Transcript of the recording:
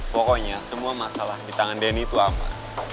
pokoknya semua masalah di tangan den itu aman